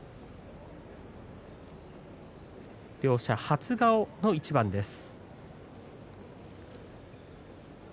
両者初顔の一番です。